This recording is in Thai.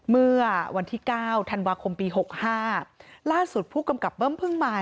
เมื่อวันที่เก้าธันวาคมปีหกห้าล่าสุดผู้กำกับเบิ้มเพิ่งมา